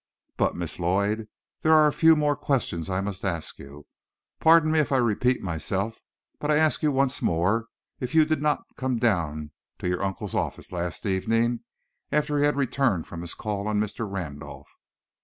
But, Miss Lloyd, there are a few more questions I must ask you. Pardon me if I repeat myself, but I ask you once more if you did not come down to your uncle's office last evening after he had returned from his call on Mr. Randolph."